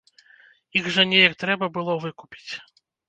Іх жа неяк трэба было выкупіць.